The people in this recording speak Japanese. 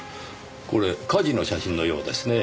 これ火事の写真のようですねぇ。